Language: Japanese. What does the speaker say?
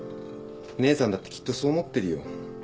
姉さんだってきっとそう思ってるよ。